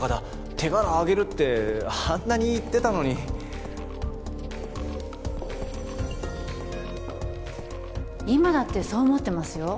「手柄あげる」ってあんなに言ってたのに今だってそう思ってますよ